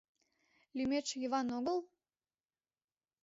— Лӱметше Йыван огыл?